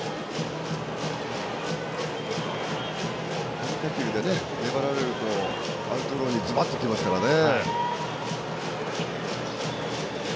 変化球で粘られるとアウトローにずばっときますからね。